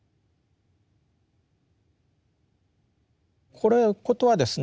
これのことはですね